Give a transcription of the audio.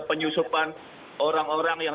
penyusupan orang orang yang